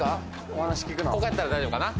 お話聞くのここやったら大丈夫かな